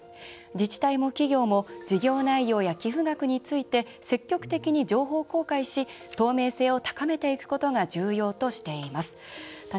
自治体も企業も事業内容や寄付額について積極的に情報公開し、透明性を高めていくことが重要としています。